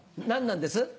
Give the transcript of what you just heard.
何なんです？